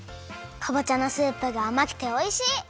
かぼちゃのスープがあまくておいしい！